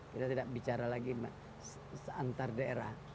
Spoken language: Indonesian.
kita tidak bicara lagi antar daerah